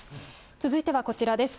続いてはこちらです。